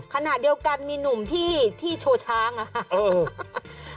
ขนาดเดียวกันมีหนุ่มที่โชว์ช้างค่ะ